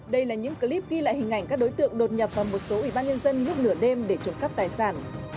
đây là những clip ghi lại hình ảnh các đối tượng đột nhập vào một số ủy ban nhân dân lúc nửa đêm để trộm cắp tài sản